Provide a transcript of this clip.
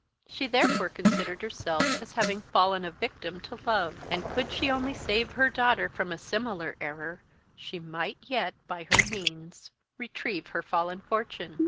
She therefore considered herself as having fallen a victim to love; and could she only save her daughter from a similar error she might yet by her means retrieve her fallen fortune.